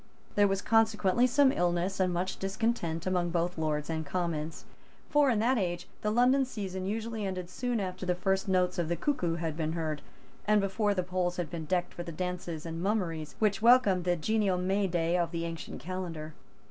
There was consequently some illness and much discontent among both Lords and Commons. For, in that age, the London season usually ended soon after the first notes of the cuckoo had been heard, and before the poles had been decked for the dances and mummeries which welcomed the genial May day of the ancient calendar.